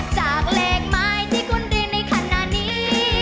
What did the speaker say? จากเลขหมายที่คุณเรียนในขณะนี้